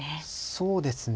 そうですね。